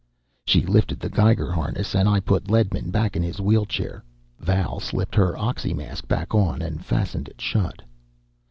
She lifted the geiger harnesses, and I put Ledman back in his wheelchair. Val slipped her oxymask back on and fastened it shut.